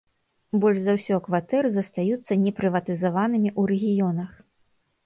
Больш за ўсё кватэр застаюцца непрыватызаванымі ў рэгіёнах.